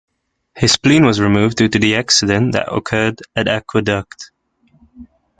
His spleen was removed due to the accident that occurred at Aqueduct.